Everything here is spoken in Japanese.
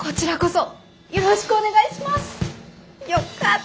よかった。